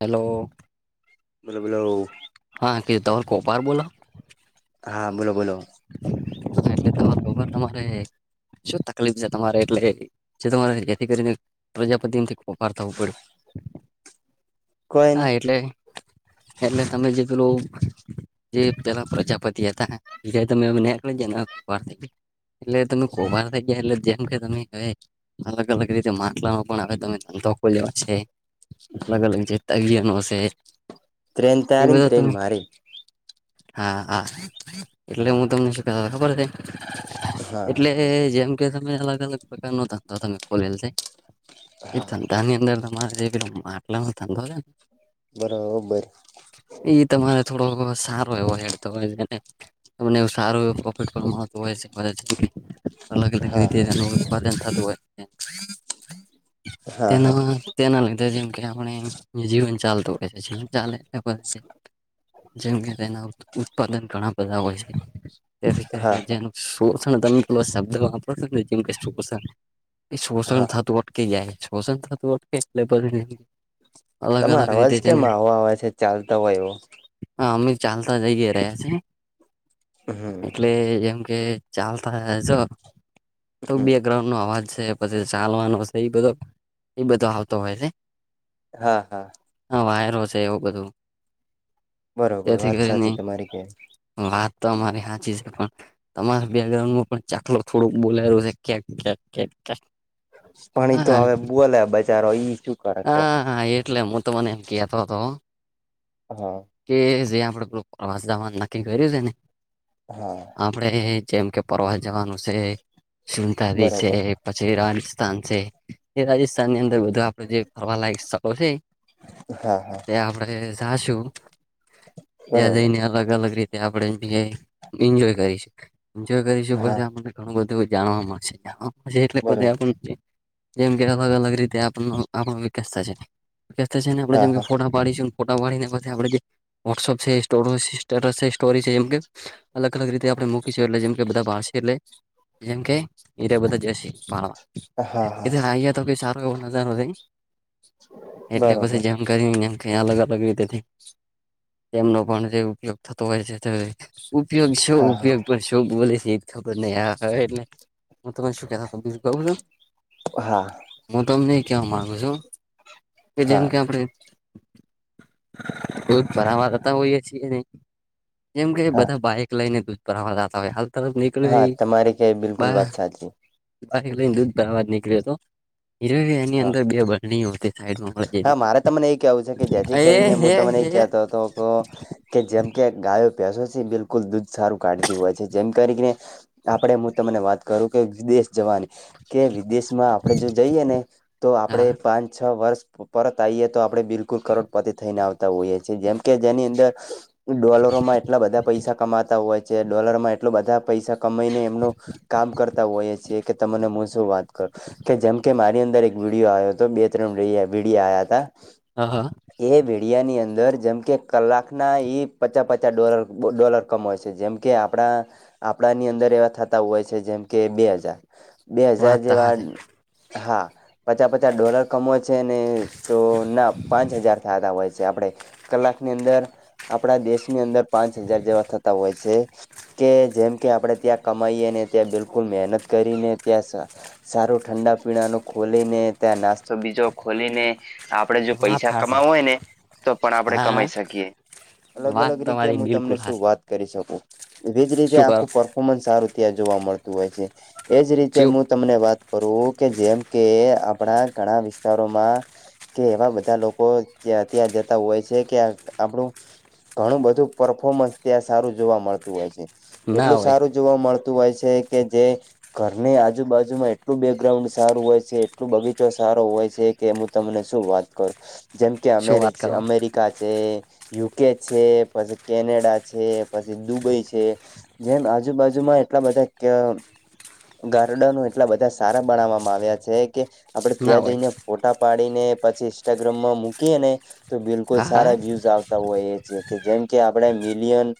Hello બોલો બોલો હા કિતાર કોપાર બોલો હા બોલો બોલો એટલે તમાર બબર તમારે શું તકલીફ છે તમારે એટલે જે તમારે જેથી કરીને પ્રજાપતિથી ફફાર થવું પડ્યું કોઈ હા નઈ એટલે એટલે તમે જે પેલો જે પેલા પ્રજાપતિ હતા જ તમે નેક ક થઈ ગયા એટલે તમે કોબાર થઈ ગયા એટલે જેમ કે તમે કહે અલગ અલગ રીતે માટલાનો પણ હવે તમે ધંધો ખોલ્યો છે. અલગ અલગ છે તગડિયા નો હશે ત્રણ તારી ત્રણ મારી હા હા એટલે હા હું તમને શું ક ખબર છે. હા એટલે જેમ કે તમે અલગ અલગ પ્રકાર નો ધંધો તમે ખોલેલ છે. એ હા ધંધા ની અંદર તમારે જે પલો માટલાનો ધંધો છે ને બરાબર એ તમારે થોડો સારો એવો હેડતો હોય છે ને તમને એવ સારું પ્રોફિટ મળતું હોય અલગ અલગ હા રીતે [unintelligible] હા થધવા [unintelligible] હા હા તેના તેના લીધે જેમ કે આપણે જીવન ચાલતું હોય છે જીવ ચાલે [unintelligible] જેમ તેના ઉત્પાદન ઘણા બધા હોય છે. તેથી કરીને હા જેનું શોષણ તમે કેલો શબ્દ વાપરો છો ને જેમ કે શોષણ એ શોષણ હા થતું અટકે જાય શોષણ થતું અટકેને [unintelligible] તમારા અવાજ કેમ આવો આવે છે ચાલતા હોય એવો હા અમે ચાલતા જઈએ રહ્યા છે. હમ એટલે એમ કે ચાલતા જો તો હમ બેકગ્રાઉન્ડ નો અવાજ છે પછી ચાલવાનો છે એ બધો એ બધો આવતો હોય છે. હા હા હા વાયરો છે એવું બધું બરોબર તેથી વાત કરીને સાચી તમારી કે વાત તો અમારી હાચી છે પણ તમારા બેકગ્રાઉન્ડમાં પણ ચાખલો થોડોક બોલાલું છે ક્યાક ક્યાંક કક પાણી ઈ તો હવે બોલે બચારો ઈ ચુપ હાા એટલે હું તો તમને એમ કતો હતો હા કે જે આપડે પેલું પ્રવાસ જાવા નુ નક્કી કર્યું છે ને હા આપડે જેમ કે પરવા જવાનું છે સુતાદી છે. બરોબર પછી રાજસ્થાન છે એ રાજસ્થાન ની અંદર બધું આપડે જે ફરવા લાગી શકો છ હા હા આપડે જાશું ત્યાં બરોબર જઈને અલગ અ અલગ રીતે આપણે એન્જોય કરીશ એન્જય કરીશું હા પછી આપ કું જાણશે જાણ એટલે ક બરોબર આપ જેમ કે અલગ અલગ રીતે આપ આપ વિકતા છે વતા છે ને આપણે હા જેમ હા ફોટા ડીશું ફોટા પાડીને પછી આપ જે વોટ્સઅપ છે સ્ટેટસ છે સ્ટોરી જેમ કે અલગ અલગ રીતે આપણે મૂકીશું એટલે જેમ કે બધા ભશે એટલે જેમ કે એ બધા જ શ પાવા હા હા એ આયા તો કઈ સારો એવો નજારો થાય એટલે પછી બરોબર જેમ કરીમ ક અલગ અલગ રીતે તેમનો પણ જે ઉપયોગ થતો હોય છે તે ઉપયોગ શું હા હા ઉપયોગ પણ શું બોલે છે એજ ખબર નહ આ હવે એ હું તમે શું કેતા બીજ કુ છું હા હું તમને ક્યાવા માંગ [unintelligible] જેમ હા કે આપડે કોઈ ફરાવારતા હોય છી નહી એમ કે હા બધા બાઈક લઈને દૂધપરવા જતા હોય હાલ તરફ હા નકલેઈ તમારી કે બિલકુલ બા વાત સાચી લઈને દૂધ પવા નીકળ્યો હતો હવી એની હા અંદર બે બરણી હતી સાઈડમાં હા વળગેલી મારે તમને એ કેવું છે કે જેથી એ કરીને હું હે તમને એ હે કહેતો હતો તો કે જેમ કે ગાયો પસો છે બિલકુલ દૂધ સારું કાઢતી હોય છે જેમ કરીને આપડે હું તમને વાત કરું કે વિદેશ જવાની કે વિદેશમાં આપણે જો જઈએ ને તો આપડે હા પાંચ છ વર્ષ પરત આવીયે તો આપણે બિલકુલ કરોડપતિ થઈને આવતા હોઈએ છીએ જેમ કે જેની અંદર ડોલરોમાં એટલા બધા પૈસા કમાતા હોય છે ડોલરમાં એટલો બધા પૈસા કમાઈને એમનું કામ કરતા હોઈએ છીએ કે તમને હું શું વાત કરું કે જેમ કે મારી અંદર એક વિડીયો આવ્યો હતો બે ત્રણ વિડિયો આવ્યા હતા હા હા એ વિડિયાની અંદર જેમ કે કલાકના ઈ પચાસ પચાસ ડોલર ડોલર કમાય છે જેમ કે આપણા આપણાની અંદર એવા થતા હોય છે જેમ કે બે હજાર બે હજાર વાત તો જેવા હાચી હા પચાસ પચાસ ડોલર કમો છે ને તો ના પાંચ હજાર થતા હોય છે આપણે કલાકની અંદર આપણા દેશની અંદર પાંચ હજાર જેવા થતા હોય છે કે જેમ કે આપણે ત્યાં કમાઈએ ને ત્યાં બિલકુલ મહેનત કરીને ત્યાં સારું ઠંડા પીણા ન ખોલી ને ત્યાં નાસ્તો બીજો ખોલીને આપડે જો વાત પૈસા હાચી કમાવું હોય ને તો પણ આપડે હા હા કમાઈ શકીએ અલગ વાત અલગ રીતે તમારી હું તમને બિલકુલ શું હાચી વાત કરી શકું એજ રીતે શું કરો આખું પરફોર્મન્સ સારું ત્યાં જોવા મળતું હોય છે એજ રીતે ચેવું તમને વાત કરું કે જેમ કે આપણા ઘણા વિસ્તા વિસ્તારોમાં કે એવા બધા લોકો જ્યાંત્યાં જતા હોય છે કે આપણું ઘણું બધું પરફોર્મન્સ ત્યાં સારું જોવા મળતું હોય છે ના એટલું હોય સારું જોવા મળતું હોય છે કે જે ઘરને આજુબાજુમાં એટલું બેકગ્રાઉન્ડ સારું હોય છે એટલું બગીચો સારો હોય છે કે હું તમને શું વાત કરું જેમ કે શું વાત કરો અમેરિક કા છે યુકે છે પછી કેનેડા છે પછી દુબઈ છે જેમ આજુબાજુમાં એટલા બધા ગાર્ડનો એટલા બધા સારા બનાવવામાં આવ્યા છે કે આપડે ના ત્યાં હોય જઈને ફોટા પાડીને પછી ઈન્સ્ટાગ્રામમાં મૂકીએ ને તો બિલકુલ હા હા સારા વ્યુઝ આવતા હોય એ છે કે જેમ કે આપણે મિલિયન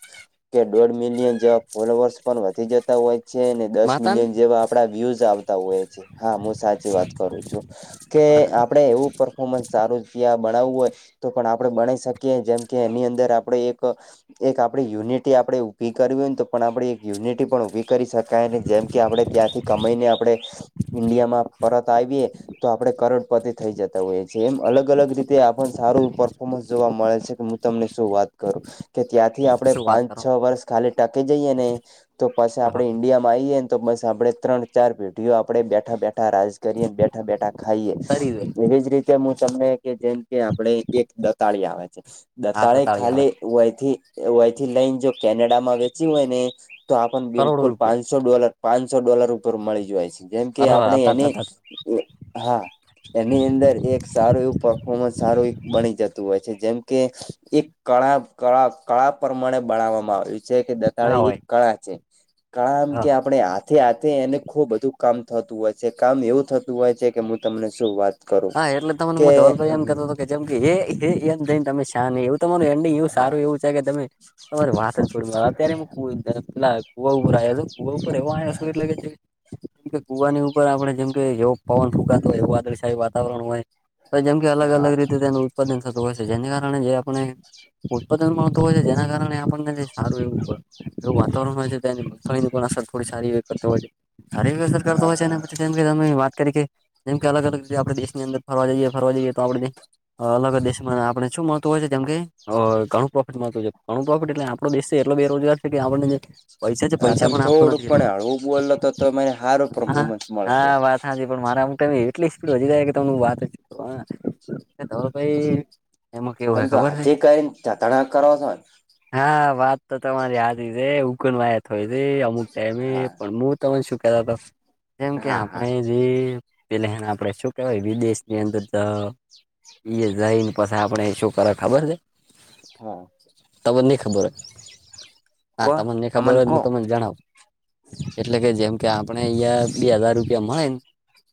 કે દોઢ મિલિયન જેવા ફોલોવર્સ પણ વધી જતા હોય છે ને દસ માતા ને મિલિયન જેવા આપડા વ્યુઝ આવતા હોય છે હા હું સાચી હા વાત કરું છું કે અરે આપડે એવું પરફોમન્સ સારું ત્યાં ભણાવું હોય તો પણ આપડે બનાઈ શકીએ, જેમ કે એની અંદર આપડે એક એક આપણી યુનિટી આપડે ઊભી કરવી હોયને, તો પણ આપણે એક યુનિટી પણ ઉભી કરી શકાય, ને જેમ કે આપડે ત્યાંથી કમાઈને આપડે ઈન્ડિયામાં પરત આવીયે, તો આપ પડે કરોડપતિ થઈ જતા હોઈએ છીએ, એમ અલગ અલગ રીતે આપણને સારું પરર્ફોર્મન્સ જોવા મળે છે, કે મુ તમને શું વાત કરું. કે ત્યાંથી આપડે શું વાત પાંચ, કરો છ વર્ષ ખાલી ટકી જઈએ ને, તો પછી હા આપડે ઈન્ડિયામ પાઈએ ને, તો બસ આપડણે ત્રણ ચાર પેઢીઓ આપડે બેઠા બેઠા રાજ કરીએ, બેઠા બેઠા ખાઈએ, તરી જોઈ એવીજ રીતે મુ તમને કે, જેમ કે આપણે એક દતાળી આવે છે. હા દતાળે દતાળી આવે ખાલી વયથી, વયથી લઈને જો કેનેડામાં વેચી હોય ને તો આપન કરોડો બિલકુલ રૂપિયા પાંચસો ડોલર, પાંચસો ડોલર ઉપર મળી જોવાય છે, જેમ કે અરે આપણે હતા એની હતા હા એની અંદર એક સારું એવું પરફોર્મન્સ સારું એક બની જતું હોય છે, જેમ કે એક કળા કળા કળા પ્રમાણે બણાવામાં આવે. છે, કે દતાળે ના એક હોય કળા છે, કળા એમ કે હા આપણે આ થી આથી એને ખૂબ બધું કામ થતું હોય છે, કામ એવું થતું હોય છે, કે હું તમને શું વાત કરું, હા એટલે તમને કે હું ધવલભાઈ એમ હમ્મ કહેતો હતો કે જેમ કે એ એ એમ થઈને તમે શા નહી, એવું તમારું એન્ડિંગ એવું સારું હા એવું છે, કે તમે તમારે વાત જ છોડમુ આ, અત્યારે મુ કૂવ અ પેલા કુવા ઉપર આયો છું, કુવા ઉપર એવો આયો છું, એટલે કે જે કેમ કે કુવાની ઉપર આપણે જેમ કે યોગ પવન ફૂંકાતો હોય, એવું વાદળછાયું વાતાવરણ હોય. પ જેમ કે અલગ હા અલગ રીતે તેનું ઉત્પાદન થતું હોય છે, જેને કારણે જે આપણે ઉત્પાદન મળતું હોય છે, જેના કારણે આપણને હારું એવું પ, એવું વાતાવરણ હોય છે તેની, તેની પણ અસર થોડી સારી એવી કરતો હોય છે. સારી અસર કરતો હા હય છે ને, હા પછી જેમ કે તમે વાત કરી કે જેમ કે અલગ અલગ રીતે આપણે દેશની અંદર ફવા જઈએ ફરવા જઈએ, તો આવડને અલગ દેશમાં આપણે શું મળતું હોય છે જેમ કે, અ ઘણું પ્રોફિટ મળતું છે. ઘણું પ્રોફિટ એટલે આપણો દેશ છે, એટલો બેરોજગાર છે કે આપણને જે પૈસા છે હા પૈસા તમે પણ આપતો થોડુંક નથી એટલો પણ હળવું બોલો તો તમે હારું હા પરફોમન્સ મળશે. હા વાત હાચી પણ મારામ તમે એટલી સ્પીડ વધી જાય કે તમને વાત ધો ભાઈ. એમાં કેવું હે તમે તો ખબર હે હાચે કઈ ચતણા કરો છો ન? હા વાત તો તમારી હાચી સે, એ ઉકાનવાયા થઈ જે અમુક ટાઈમે હા પણ મુ તમે શું કેતા તો, જેમ કે હા હા આપણે જે પેલા આપણેે શુ કેવાય વિદેશની અંદર ત, ઈ એ જઈને પછી આપણે શું કરે ખબર છે. હા તમન ની ખબર હોય, હા કો તમન ની ખબર અમન હો, કો હું તમને જણાવ એટલે કે જેમ કે આપણા ઈયા બે હજાર રૂપિયા મળેન,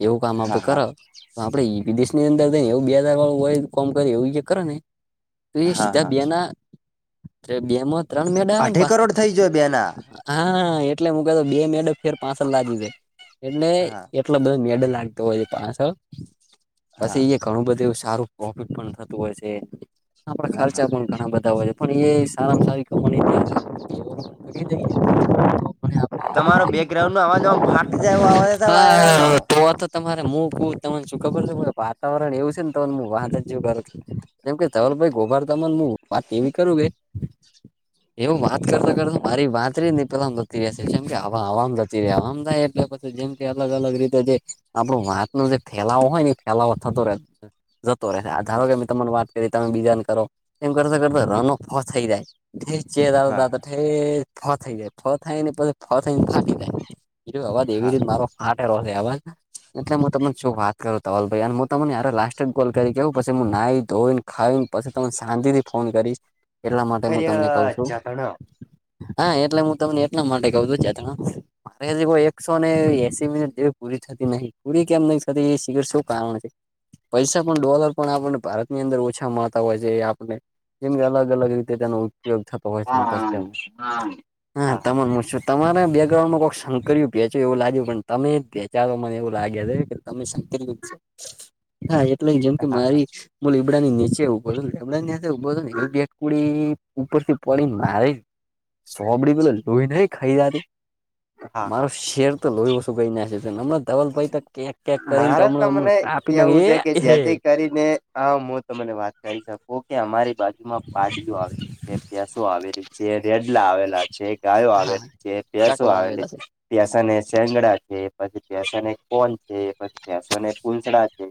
એવું કામ આપ હા હા કરા તો આપડે ઈ વિદેશ ની અંદર, ઈને એવું બે હજાર વાળું હોય કોમ કર એવું કરે ને તો એ હા સીધા હા બે ના, ત્રબેમાં ત્રણ મેડા આવે ને અઢી પાસળ. કરોડ થઈ જોય બેના હા એટલે મું કતો બે મેડો ફેર પાસલ લાગી છે, એટલે હા એટલો બધો મેડલ લાગતો હોયએ પાસડ, હા પછી એ ઘણું બધું એવું સારું પ્રોફિટ પણ થતું હોય છે, આપણા હા હા ખર્ચા પણ ઘણાં બધ ધા હોય છે, પણ એ સારામાં સારી કમાણી [unintelligible] તમારા બેકગ્રાઉન્ડ નો અવાજ આમ ફાટી જાય આવે છે, વાયરા નો હા તો તો તમારે મુ કું તમને શું ખબર છે, વાતાવરણ એવું છે ને તન મુ વાદળ જેવું ગરજ, જેમ કે ચલ ભાઈ ગોભા તમને વાત એવી કરું કે એવું વાત કરતો કરતો મારી વાતરી નીતરફ નતી રહેશે, જેમ કે હવા આમ જતી રહે આમ જાય એટલે પછ જેમ કે અલગ અલગ રીતે જે આપણું વાત નુ જે થેલાવો હોય ને, થેલાવો થતો રહે, જતો રહે આ ધારો હા કે મેં તમાર વાત તમે બીજાને કરો, એમ કરતા કરતા રનો ફો થઈ જાય, થે ચેર આવે હા ઠે ફ થઈ જાય ફ થાય ને પછી ફ થઈને ફાટી જાય બીજ અવાજ એવી હા રીતે મારો ફાટેલો છે અવાજ એટલે મો તમને શું વાત કરું તવલ ભાઈ હું તમને યરે લાસ્ટ જ ગોલ કરી પછી નાઈ ધોઈ ખાઈ પછી ત શાંતિથી ફોન કરીશ એટલા માટે હું ખરી તમને કઉ છું જતણ હા એટલે હું તમને એટલા માટે કઉ છું ચઠણા મારે હજી કોઈ એકસો ને એસી મિનિટ જેવી પૂરી થતી નહીં પૂરી કેમ કદી શીખર શું કારણ છે. પૈસા પણ ડોલર પણ આપણને ભારતની અંદર ઓછા મળતા હોય છે આપને જેમ કે અલગ અલગ રીતે તેનો ઉપયોગ થતો હોય છે હા હા પસચમ હ હા હા તમામ તમારા બેકગ્રાઉન્ડ માં કોઈક શંકર્યું વેચ્યું એવું લાગ્યું પણ તમે વેચાવે મને એવું લાગે છે તમે [unintelligible] હા એટલે જેમ કે હા મારી બ લીબડા ની નીચે ઉભો હતો લીબડા નેચે ઊભો હતને બેકુડી ઉપર થી પડીને મારેને સોંભડી પેલો લોહી નઈ ખઈ જાતી. હા હા મારું શેર તો લોહી ઓછુ ગઈ ના હમણાં ધવલ ભાઈ કે મારે તમને કેવું છે કે એ જેથી કરીને હા હું તમને વાત કરી શકું કે અમારી બાજુમાં પાડીઓ આવેલી છે ભેશો આવેલી. છે, રેડલા આવેલા છે, ગાયો હા આવેલી છે, પેસો ચકલા આવેલી આવેલા છે, ભેશાને સેંગળા છે પછી ભસો ને કોન છે પછીસો ને કૂસડા છે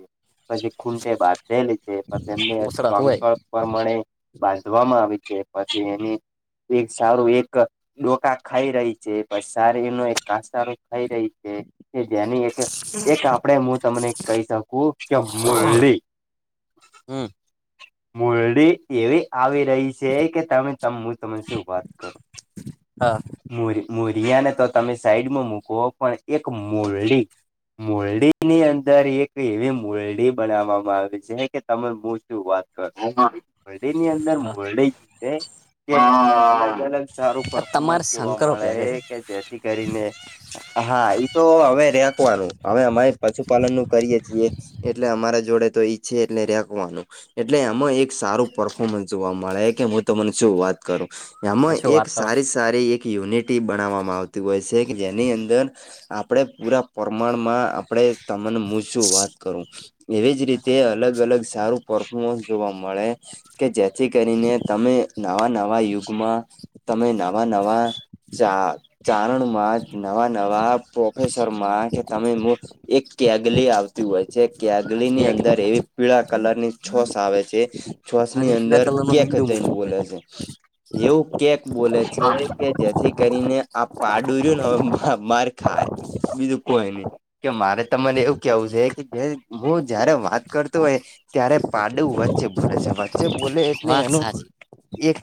પછી ખૂટે ભત થલી છે. પછી એમને મુસરત હોય સંકલ્પ પ્રમાણે બાંધવામાં આવી છે પછી એની એક સારું એક ડોકા ખાઈ રહી છે પણ શારી એર ન એક કસારું ખાઈ રહી છે. કે જેની એક એક આપડે હું તમને કહી શકું કે મુરલી હમ મુરડી એવી આવી રહી છે, કે તમે હું તમને શું વાત કરું હા ર મુરિયાને તો તમે સાઈડ માં મૂકો પણ એક મોરડી મોરડી ની અંદર એક એવી મોરડી બનાવવામાં આવે છે, કે તમે મ શું વાત વરડીે ની અંદર મરડીે જે છે અલગ સારું તમારે જોવા શંકરો મળે પ્યા કે જેથી કરીને હા એ તો હવે રાખવાનું હવે અમારે પશુપાલન નું કરીએ છીએ. એટલે અમારા જોડે તો ઈચ્છે એટલે રાખવાનું એટલે એમાં એક સારું પરફોર્મન્સ જોવા મળે કે હું તમને શું વાત કરો છે એમાં શું વાત એક કરો સારી સારી એક યુનિટી બનાવવામાં આવતી હોય છે કે જેની અંદર આપણે પૂરા પ્રમાણમાં આપણે તને મૂછું વાત કરું એવી જ રીતે અલગ અલગ સારું પરફોમન્સ જોવા મળે કે જેથી કરીને તમે નવા નવા યુગમાં તમે નવા નવા ચા ચારણમાં નવા નવા પ્રોફેસરમાં કે તમે એક કેગલી આવતી હોય છે કેગલી ની અંદર એવી પીળા કલર ની છોશ આવે છે. અને શ્વાસની પીલા અંદર કલર નો કેક ઈંડુ જઈને બોલે મૂક છે એવું કેક બોલે છે. કે જેથી કરીને આ પાડુરુંને હવે માર ખાય બીજું કોઈ નઈ કે મારે ત મને એવું કેવું છે કે જે હું જયારે વાત કરતો હોય. ત્યારે પાડું વચ વચ્ચે બોલે છે, વચ્ચે બોલે એટલે વાત એનું સાચી એક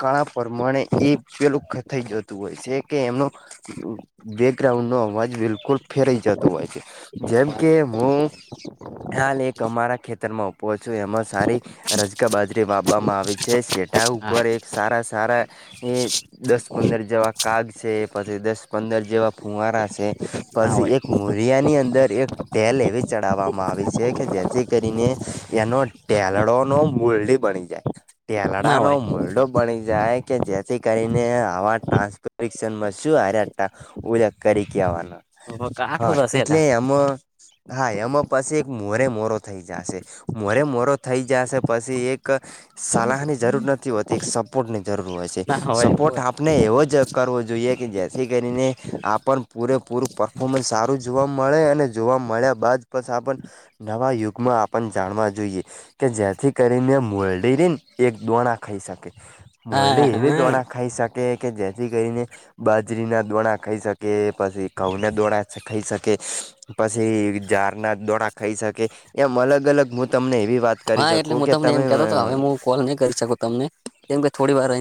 કળા પ્રમાણે એ પેલું થઈ જતું હોય છે, કે એમનો બેકગ્રાઉન્ડ નો અવાજ બિલકુલ ફેરાઈ જતો હોય છે. જેમ કે હું હાલ એક અમારા ખેતરમાં ઉપ છું એમાં સારી રજગ બાજરી વાપવામાં આવે છે સેટા હા ઉપર એક સારા સારા એ દસ પંદર જેવા કાગ છે પછી દસ પંદર જેવા ફુંવારા છે. ના પછી હોય એક મરિયા ની અંદર એક તેલ એવી ચડાવવામાં આવી છે કે જેથી કરીને એનો ટેલડો નો મરડી બની ટેલડા ના નો હોય મુરડો બની જાય. કે જેથી કરીને આવા ટ્રાન્સપોટેશનમાં શું આ ઉ કરી કવાના હા આઠું થશે એટલે આમાં હા એમાં પછી એક મોરે મોરો થઈ જશે મોરે મોરો થઈ જશે પછી એક સલાહની જરૂર નથી હોતી એક સપોર્ટ નથી. જરૂર હોય છે ના હોય સપોર્ટ હોય આપણે એવો જ કરવો જોઈએ કે જેથી કરીને આપણ પૂરેપૂરું પરફોર્મન્સ સારું જોવા મળે અને જોવા મળ્યા બાદ પ આપણ નવા યુગમાં આપણ જાણવા જોઈએ. કે જેથી કરીને મોલડીરીને એક દોણા ખાઈ શકે હા મોરડી એવી હા દોણા ખાઈ શકે કે જેથી કરીને બાજરીના દોણા ખાઈ શકે પછી ઘઉ ના દોણા ખાઈ શકે પછી ઝારના દોડા ખાઈ શકે એમ અલગ અલગ હું તમને એવી વાત કરી હા એટલે શકું હું કે તમને તમે એમ કેતો હતો, હવે હું કોલ નહી કરી શકું તમને કેમ કે થોડી વાર